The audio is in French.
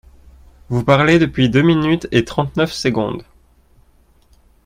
Vous parlez depuis deux minutes et trente-neuf secondes.